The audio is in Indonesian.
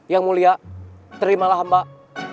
yang mulia terimalah mbak